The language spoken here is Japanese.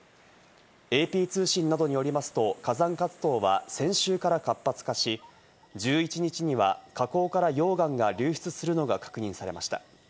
ＡＰ通信などによりますと、火山活動は先週から活発化し、１１日には火口から溶岩が流出するのが確認されました。